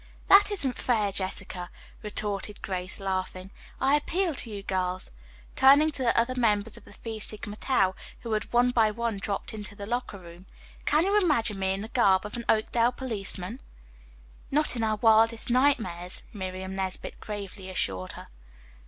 "That isn't fair, Jessica," retorted Grace, laughing. "I appeal to you girls," turning to the other members of the Phi Sigma Tau, who had one by one dropped into the locker room. "Can you imagine me in the garb of an Oakdale policeman?" "Not in our wildest nightmares," Miriam Nesbit gravely assured her.